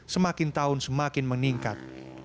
semakin tahun semakin meningkat